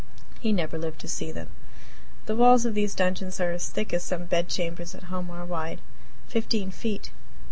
He never lived to see them. The walls of these dungeons are as thick as some bed chambers at home are wide fifteen feet.